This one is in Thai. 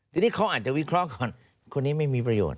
ทีนี้เขาอาจจะวิเคราะห์ก่อนคนนี้ไม่มีประโยชน